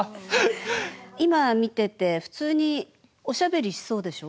今見てて普通におしゃべりしそうでしょ？